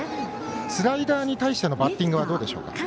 スライダーに対してのバッティングはどうでしょうか。